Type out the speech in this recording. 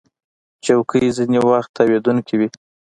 چوکۍ ځینې وخت تاوېدونکې وي.